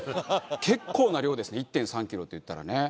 結構な量ですね１．３キロといったらね。